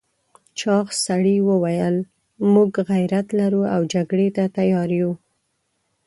چاغ سړي وویل موږ غيرت لرو او جګړې ته تيار یو.